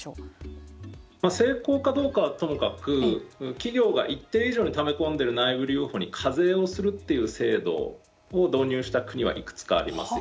成功かどうかはともかく企業が一定以上にため込んでいる内部留保に課税をするという制度を導入した国はいくつかあります。